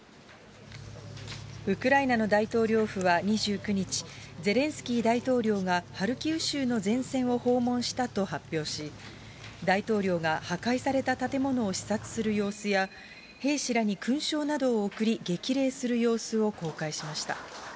ウクライナの大統領府は２９日、ゼレンスキー大統領がハルキウ州の前線を訪問したと発表し、大統領が破壊された建物を視察する様子や兵士らに勲章などを贈り、激励する様子を公開しました。